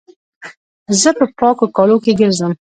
زه په پاکو کالو کښي ګرځم.